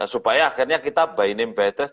supaya akhirnya kita by name by the